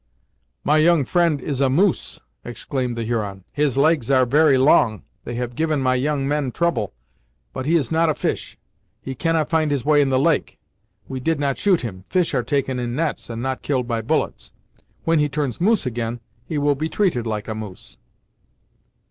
"My young friend is a Moose!" exclaimed the Huron. "His legs are very long; they have given my young men trouble. But he is not a fish; he cannot find his way in the lake. We did not shoot him; fish are taken in nets, and not killed by bullets. When he turns Moose again he will be treated like a Moose."